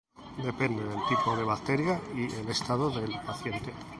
Dependen del tipo de bacteria y el estado del paciente.